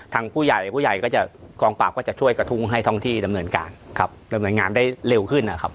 ทางผู้ใหญ่ผู้ใหญ่ก็จะกองปราบก็จะช่วยกระทุ้งให้ท้องที่ดำเนินการครับดำเนินงานได้เร็วขึ้นนะครับ